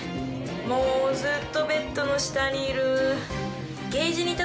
もうずっとベッドの下にいる。